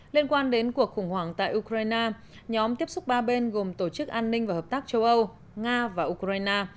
liên quan đến cuộc khủng hoảng tại ukraine nhóm tiếp xúc ba bên gồm tổ chức an ninh và hợp tác châu âu nga và ukraine